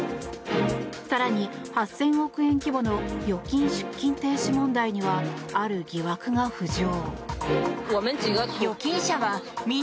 更に、８０００億円規模の預金出金停止問題にはある疑惑が浮上。